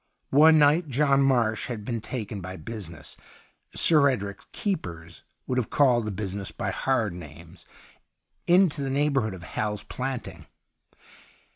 One night John Marsh had been taken by business — Sir Edric's keepers would have called the busi ness hj hard names — into the neigh bourhood ot Hal's Planting.